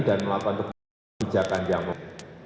dan melakukan kebijakan yang baik